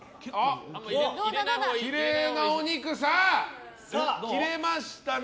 きれいなお肉！切れましたね。